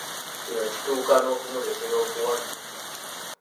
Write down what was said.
Kino kituuka n’okumuleetera okuwanuuza.